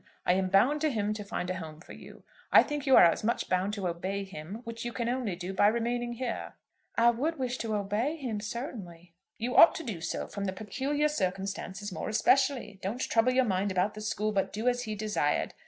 I am bound to him to find a home for you. I think you are as much bound to obey him, which you can only do by remaining here." "I would wish to obey him, certainly." "You ought to do so, from the peculiar circumstances more especially. Don't trouble your mind about the school, but do as he desired.